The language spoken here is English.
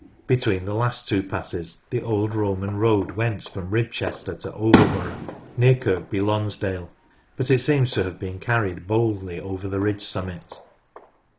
Between the last two passes the old Roman road went from Ribchester to Overborough, near Kirkby Lonsdale, but it seems to have been carried boldly over the ridge summit.